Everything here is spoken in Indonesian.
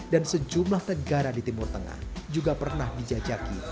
dan sejumlah negara di timur tengah juga pernah dijajaki